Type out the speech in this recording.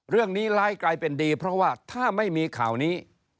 ร้ายกลายเป็นดีเพราะว่าถ้าไม่มีข่าวนี้